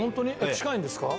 近いんですか。